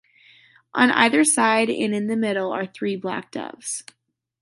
On either side and in the middle are three black doves.